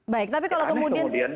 baik tapi kalau kemudian